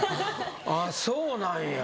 ああそうなんや。